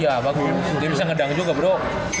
iya bagus dia bisa ngedang juga bro